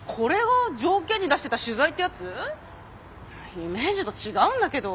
イメージと違うんだけど。